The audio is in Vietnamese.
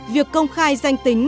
việc công khai danh tính